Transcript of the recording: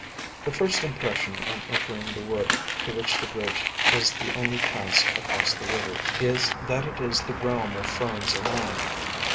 The first impres sion on entering the wood, to which the bridge is the only pass across the river, is that it is the realm of Ferns alone.